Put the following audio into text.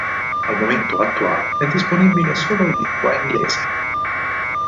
Al momento attuale è disponibile solo in lingua inglese.